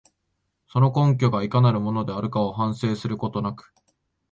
その根拠がいかなるものであるかを反省することなく、